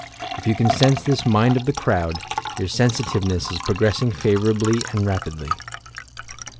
If you can sense this mind of the crowd, your sensitiveness is progressing favour ably and rapidly.